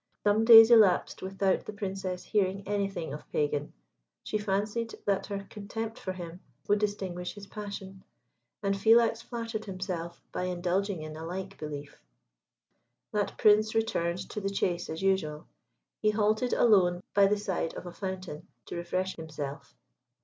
Some days elapsed without the Princess hearing anything of Pagan. She fancied that her contempt for him would extinguish his passion, and Philax flattered himself by indulging in a like belief. That Prince returned to the chase as usual. He halted alone by the side of a fountain, to refresh himself.